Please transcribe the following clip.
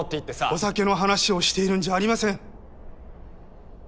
お酒の話をしているんじゃありません。